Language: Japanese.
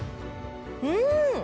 うん！